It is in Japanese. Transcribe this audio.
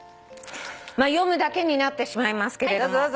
読むだけになってしまいますけれども。